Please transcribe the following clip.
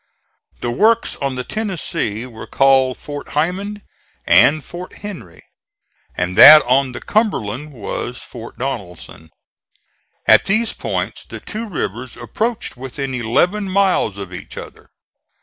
The works on the Tennessee were called Fort Heiman and Fort Henry, and that on the Cumberland was Fort Donelson. At these points the two rivers approached within eleven miles of each other.